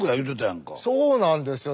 そうなんですよ。